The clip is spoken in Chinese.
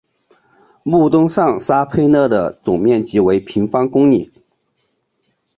穆东上沙佩勒的总面积为平方公里。